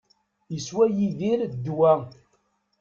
Iswa Yidir ddwa.